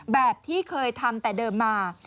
แบบที่เคยทำแต่เดิมมา